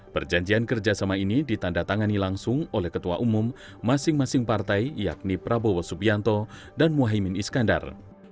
perjanjian kerjasama ini ditanda tangani langsung oleh ketua umum masing masing partai yakni prabowo subianto dan muhaymin iskandar